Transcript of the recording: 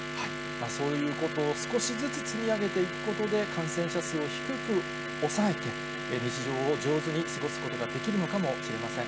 そういうことを少しずつ積み上げていくことで、感染者数を低く抑えて、日常を上手に過ごすことができるのかもしれません。